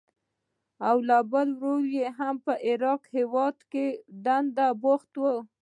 او بل ورور یې هم په عراق هېواد کې په دنده بوخت و.